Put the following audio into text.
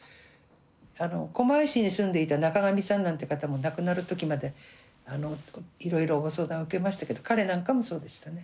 狛江市に住んでいた中上さんなんて方も亡くなる時までいろいろご相談受けましたけど彼なんかもそうでしたね。